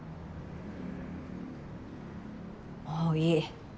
もういい。